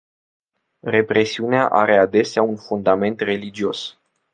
Represiunea are adesea un fundament religios.